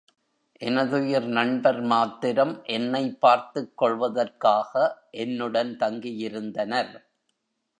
எனதுயிர் நண்பர் மாத்திரம் என்னைப் பார்த்துக் கொள்வதற்காக, என்னுடன் தங்கியிருந்தனர்.